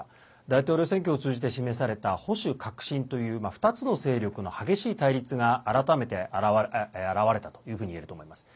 大統領選挙を通じて示された保守・革新という２つの勢力の激しい対立が改めて表れたというふうにいえると思います。